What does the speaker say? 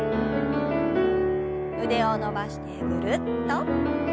腕を伸ばしてぐるっと。